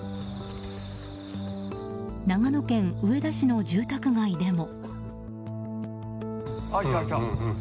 長野県上田市の住宅街でも。